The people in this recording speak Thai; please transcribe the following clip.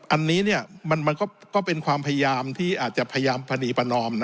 อันนี้มันก็เป็นความพยายามที่อาจจะพยายามปณีประนอม